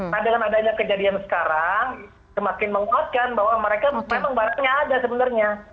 nah dengan adanya kejadian sekarang semakin menguatkan bahwa mereka memang barangnya ada sebenarnya